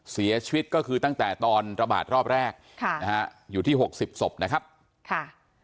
เสียชีวิตก็คือตั้งแต่ตอนระบาดรอบแรกค่ะนะฮะอยู่ที่หกสิบศพนะครับค่ะ